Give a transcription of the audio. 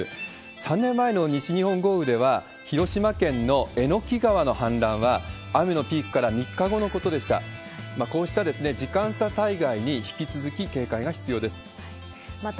３年前の西日本豪雨では、広島県のえのき川の氾濫は、雨のピークから３日後のことでした。